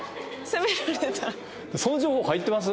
その情報入ってます？